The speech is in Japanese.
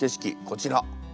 こちら。